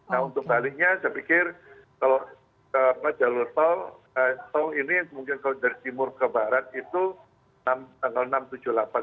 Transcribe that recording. nah untuk tariknya saya pikir kalau jalur tol tol ini mungkin kalau dari timur ke barat itu tanggal enam tujuh delapan